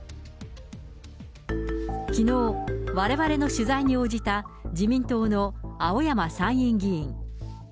きのう、われわれの取材に応じた、自民党の青山参院議員。